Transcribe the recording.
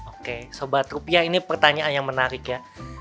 oke sobat rupiah ini pertanyaan yang menarik ya